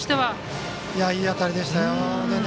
いい当たりでした。